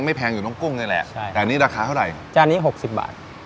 ไม่แพงอยู่ตรงกุ้งเลยแหละใช่แต่อันนี้ราคาเท่าไรอันนี้หกสิบบาท